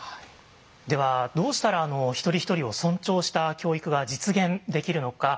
ではどうしたら一人一人を尊重した教育が実現できるのか。